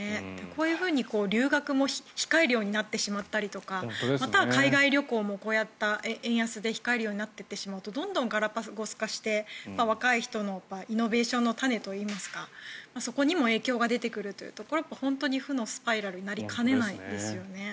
こういうふうに留学も控えるようになってしまったりまたは海外旅行もこういった円安で控えるようになってしまうとどんどんガラパゴス化して若い人のイノベーションの種といいますかそこにも影響が出てくる本当に負のスパイラルになりかねないですよね。